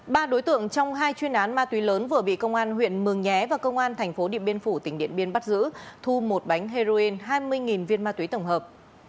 ba đối tượng trong hai chuyên án ma túy lớn vừa bị công an huyện mường nhé và công an thành phố điện biên phủ tỉnh điện biên bắt giữ thu một bánh heroin hai mươi viên ma túy tổng hợp